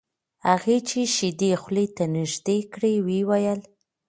هغه چې شیدې خولې ته نږدې کړې ویې ویل: